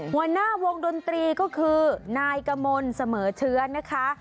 หัวหน้าวงดนตรีก็คือนายกมลเสมอเชื้อนะคะ